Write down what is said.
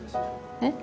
えっ？